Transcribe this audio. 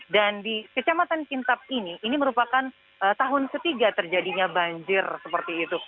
dan di kecamatan kintab ini ini merupakan tahun ketiga terjadinya banjir seperti itu